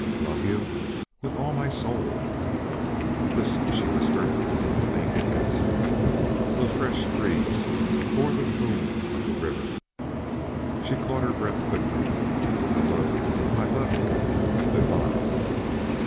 "Love you? With all my soul!" "Listen," she whispered, and leaned against him. A fresh breeze bore the boom of the river. She caught her breath quickly: "I love you! I love you! Good bye!"